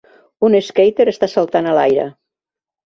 Un skater està saltant a l'aire.